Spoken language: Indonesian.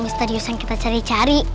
di stadion yang kita cari cari